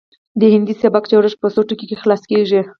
د هندي سبک جوړښت په څو ټکو کې خلاصه کیږي